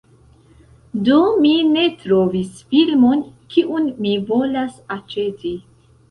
Do, mi ne trovis filmon, kiun mi volas aĉeti